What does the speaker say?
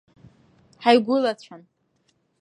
Ҳаигәылацәан.